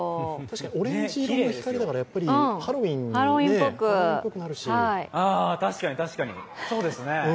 オレンジ色の光だからハロウィーンっぽくなるし。